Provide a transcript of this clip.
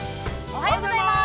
◆おはようございます。